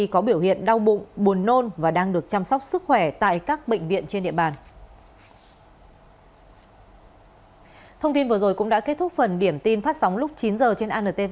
có biểu hiện đau bụng buồn nôn và đang được chăm sóc sức khỏe tại các bệnh viện trên địa bàn